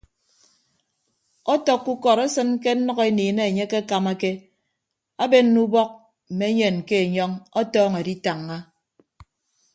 Ọtọkkọ ukọd esịn ke nnʌkeniin enye akekamake abenne ubọk mme enyen ke enyọñ ọtọọñọ editañña.